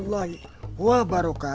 waalaikumsalam warahmatullahi wabarakatuh